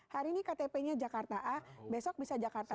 hari ini ktpnya jakarta a besok bisa jakarta b